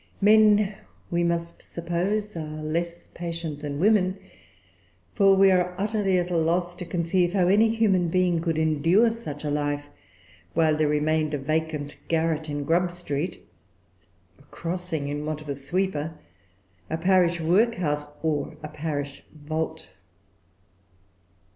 Men, we must suppose, are less patient than women; for we are utterly at a loss to conceive how any human being could endure such a life, while there remained a vacant garret in Grub Street, a crossing in want of a sweeper, a parish workhouse, or a parish vault.